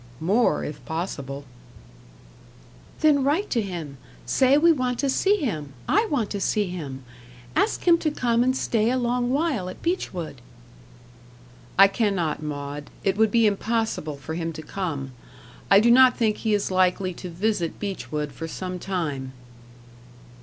"More, if possible." "Then write to him. Say, we want to see him I want to see him. Ask him to come and stay a long while at Beechwood." "I cannot, Maud. It would be impossible for him to come. I do not think he is likely to visit Beechwood for some time."